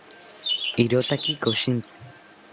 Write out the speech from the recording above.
irotaki koshintzi